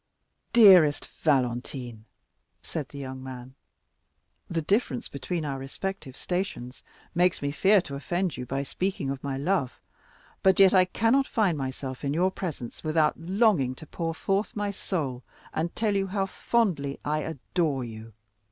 "Dearest Valentine," said the young man, "the difference between our respective stations makes me fear to offend you by speaking of my love, but yet I cannot find myself in your presence without longing to pour forth my soul, and tell you how fondly I adore you.